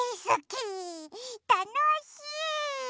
たのしい！